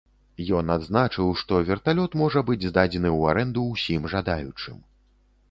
Ён адзначыў, што верталёт можа быць здадзены ў арэнду ўсім жадаючым.